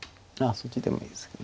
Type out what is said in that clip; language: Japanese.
そっちでもいいですけど。